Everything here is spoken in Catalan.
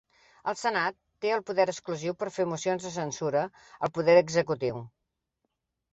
El Senat té el poder exclusiu per fer mocions de censura al poder executiu.